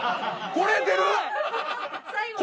これ出る！？